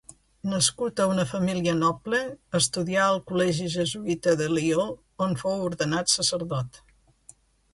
Nascut a una família noble, estudià al col·legi jesuïta de Lió, on fou ordenat sacerdot.